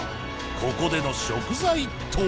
ここでの食材とは？